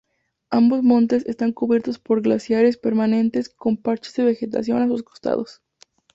Ambos montes están cubiertos por glaciares permanentes con parches de vegetación a sus costados.